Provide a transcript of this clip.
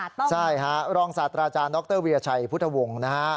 อาจารย์ออสรองสตราอาจารย์ดรวียชัยพุทธวงศ์